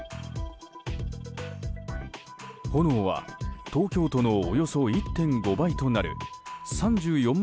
炎は東京都のおよそ１．５倍となる３４万